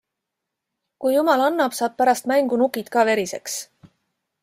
Kui jumal annab, saab pärast mängu nukid ka veriseks.